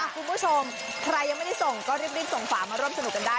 คุณผู้ชมใครยังไม่ได้ส่งก็รีบส่งฝามาร่วมสนุกกันได้